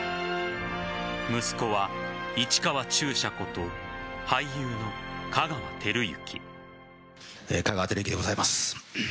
息子は、市川中車こと俳優の香川照之。